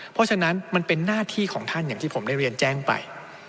เพราะฉะนั้นมันเป็นหน้าที่ของท่านอย่างที่ผมได้เรียนแจ้งไป